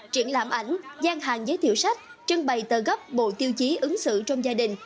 triển lãm ảnh gian hàng giới thiệu sách trưng bày tờ gấp bộ tiêu chí ứng xử trong gia đình